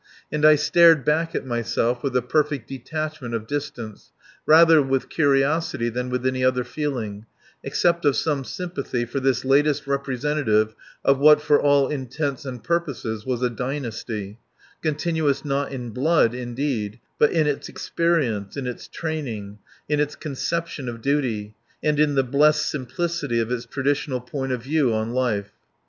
And I stared back at myself with the perfect detachment of distance, rather with curiosity than with any other feeling, except of some sympathy for this latest representative of what for all intents and purposes was a dynasty, continuous not in blood indeed, but in its experience, in its training, in its conception of duty, and in the blessed simplicity of its traditional point of view on life.